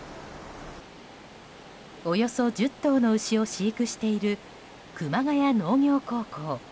およそ１０頭の牛を飼育している熊谷農業高校。